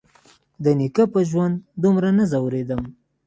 د نيکه په ژوند دومره نه ځورېدم.